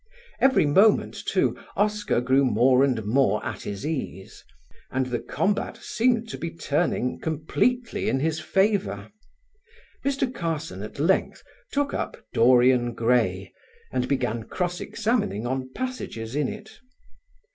Every moment, too, Oscar grew more and more at his ease, and the combat seemed to be turning completely in his favour. Mr. Carson at length took up "Dorian Gray" and began cross examining on passages in it.